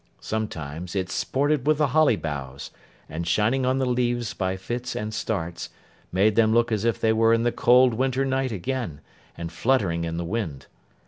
Sometimes, it sported with the holly boughs; and, shining on the leaves by fits and starts, made them look as if they were in the cold winter night again, and fluttering in the wind.